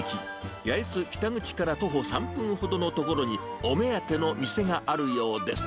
八重洲北口から徒歩３分ほどの所に、お目当ての店があるようです。